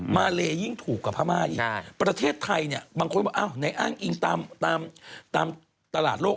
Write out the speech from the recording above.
มาเลยิ่งถูกกว่าพม่าอีกประเทศไทยเนี่ยบางคนบอกอ้าวไหนอ้างอิงตามตลาดโลก